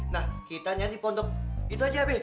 nah kita nyari pondok itu aja b